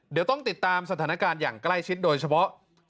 เดี๋ยวต้องติดตามสถานการณ์อย่างใกล้ชิดโดยเฉพาะ